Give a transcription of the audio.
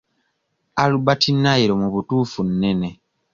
Albert Nile mu butuufu nnene.